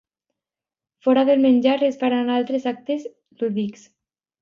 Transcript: Fora del menjar, es faran altres actes lúdics.